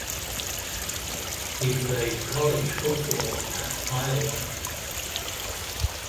He played college football at Iowa.